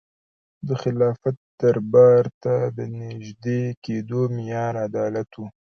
د خلافت دربار ته د نژدې کېدو معیار عدالت و.